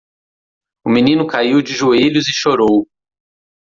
O menino caiu de joelhos e chorou.